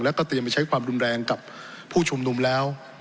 แล้วก็เตรียมไปใช้ความรุนแรงกับผู้ชุมนุมแล้ว